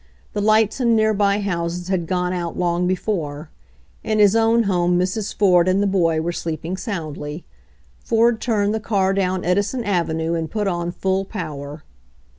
The lights in near by houses had gone out long before ; in his own home Mrs. Ford and the boy were sleeping soundly. Ford turned the car down Edison avenue and put on full power.